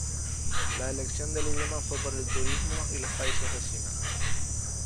La elección del idioma fue por el turismo y los países vecinos.